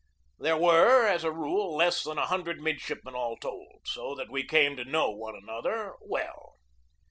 There were, as a rule, less than a hundred midshipmen all told; so that we came to know one another well.